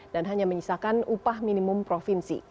dan hanya menyisakan upah minimum sektoral